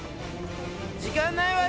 時間ないわよ。